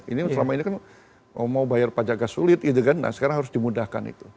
ini selama ini kan mau bayar pajak agak sulit gitu kan nah sekarang harus dimudahkan itu